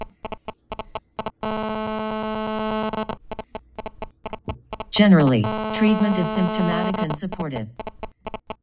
Generally, treatment is symptomatic and supportive.